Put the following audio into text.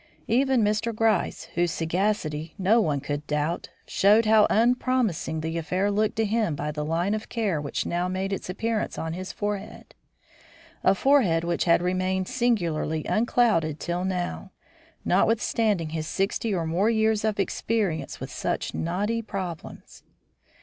Even Mr. Gryce, whose sagacity no one could doubt, showed how unpromising the affair looked to him by the line of care which now made its appearance on his forehead; a forehead which had remained singularly unclouded till now, notwithstanding his sixty or more years of experience with such knotty problems.